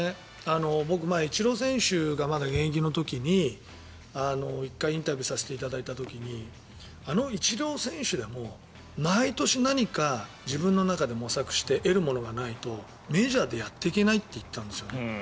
僕、前にイチロー選手がまだ現役の時に１回、インタビューをさせていただいた時にあのイチロー選手でも毎年何か自分の中で模索して得るものがないとメジャーでやっていけないって言ったんですよ。